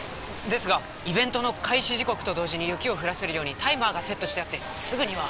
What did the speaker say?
ですがイベントの開始時刻と同時に雪を降らせるようにタイマーがセットしてあってすぐには。